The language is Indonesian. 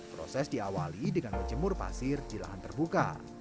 proses diawali dengan menjemur pasir di lahan terbuka